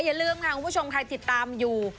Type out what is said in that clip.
อย่าลืมค่ะคุณผู้ชมใครติดตามอยู่